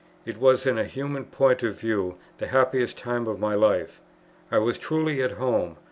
It was, in a human point of view, the happiest time of my life. I was truly at home.